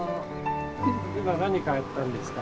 今何買ったんですか？